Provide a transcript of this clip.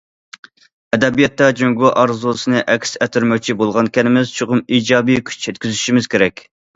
ئەدەبىياتتا جۇڭگو ئارزۇسىنى ئەكس ئەتتۈرمەكچى بولغانىكەنمىز، چوقۇم ئىجابىي كۈچ يەتكۈزۈشىمىز كېرەك.